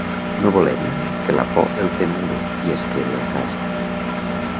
No volem que la por el tenalle i es quede a casa.